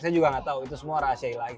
saya juga nggak tahu itu semua rahasia ilahi